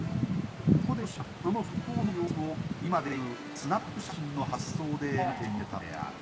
そこで広重はその復興の様子を今で言うスナップ写真の発想で描いてみせたのである。